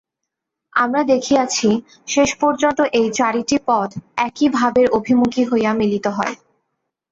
আমরা দেখিয়াছি, শেষ পর্যন্ত এই চারিটি পথ একই ভাবের অভিমুখী হইয়া মিলিত হয়।